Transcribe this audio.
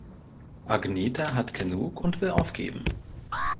Agneta hat genug und will aufgeben.